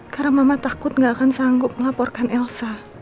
karena mama takut nggak akan sanggup melaporkan elsa